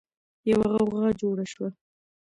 يوه غوغا جوړه شوه.